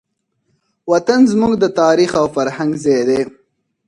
وطن زموږ د تاریخ او فرهنګ ځای دی.